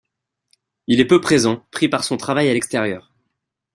Il est peu présent, pris par son travail à l’extérieur.